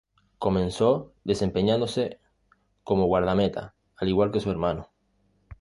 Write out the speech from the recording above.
Comenzó desempeñándose como guardameta, al igual que su hermano.